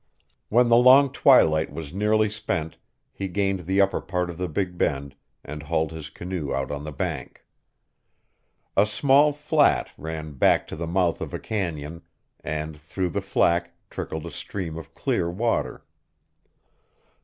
When the long twilight was nearly spent, he gained the upper part of the Big Bend and hauled his canoe out on the bank. A small flat ran back to the mouth of a canyon, and through the flat trickled a stream of clear water.